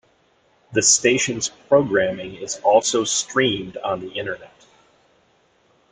The station's programming is also streamed on the Internet.